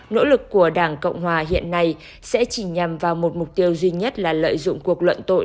nỗ lực của đảng cộng hòa hiện nay sẽ chỉ nhằm vào một mục tiêu duy nhất là lợi dụng cuộc luận tội